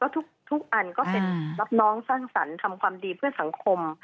ทุกอันก็เป็นรับน้องสร้างสรรค์ทำความดีเพื่อสังคม